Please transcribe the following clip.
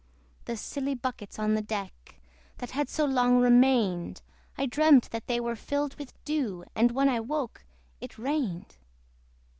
The silly buckets on the deck, That had so long remained, I dreamt that they were filled with dew; And when I awoke, it rained.